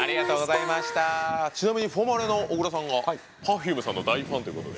ちなみにＦＯＭＡＲＥのオグラさんがＰｅｒｆｕｍｅの大ファンということで。